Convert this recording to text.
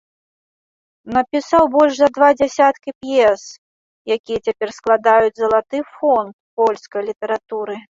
Напісаў больш за два дзясяткі п'ес, якія цяпер складаюць залаты фонд польскай літаратуры.